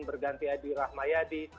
berganti adi rahmayadi